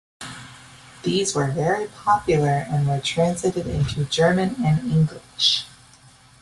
These were very popular and were translated into German and English.